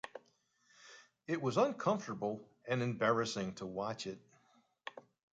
It was uncomfortable and embarrassing to watch it.